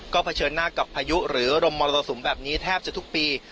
ก็เผชิญหน้ากับพายุหรือรมมรสุมแบบนี้แทบจะทุกปี